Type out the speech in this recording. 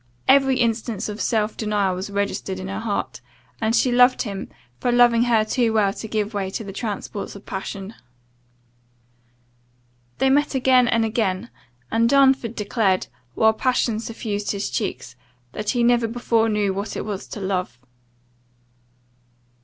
Every instance of self denial was registered in her heart, and she loved him, for loving her too well to give way to the transports of passion. They met again and again; and Darnford declared, while passion suffused his cheeks, that he never before knew what it was to love.